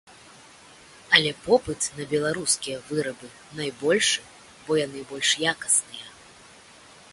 Але попыт на беларускія вырабы найбольшы, бо яны больш якасныя.